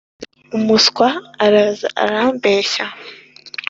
umuswa araza arambeshya